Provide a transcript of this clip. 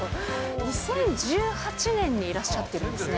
２０１８年にいらっしゃってるんですね。